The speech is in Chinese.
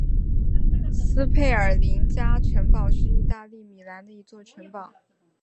斯佩尔林加城堡是意大利米兰的一座城堡。